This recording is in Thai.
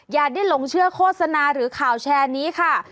อย่าได้หลงเชื่อโฆษณาหรือข่าวแชร์นี้ค่ะ